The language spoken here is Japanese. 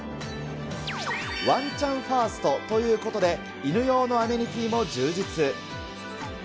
ワンちゃんファーストということで、犬用のアメニティーも充実。